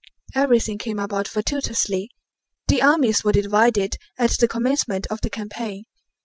Everything came about fortuitously. The armies were divided at the commencement of the campaign.